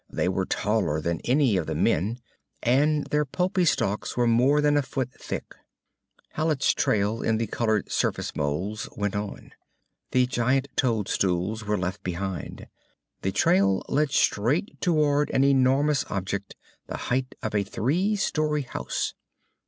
They were taller than any of the men, and their pulpy stalks were more than a foot thick. Hallet's trail in the colored surface moulds went on. The giant toadstools were left behind. The trail led straight toward an enormous object the height of a three storey house.